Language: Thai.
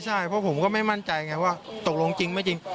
ใช่เพราะผมก็ไม่มั่นใจไงว่าตกลงจริงไม่จริง